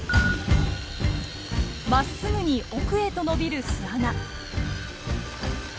まっすぐに奥へと伸びる巣穴。